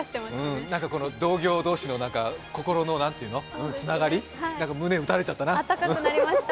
同業同士の心のつながり、胸打たれちゃったな。